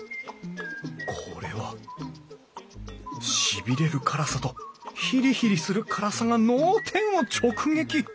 これはしびれる辛さとヒリヒリする辛さが脳天を直撃！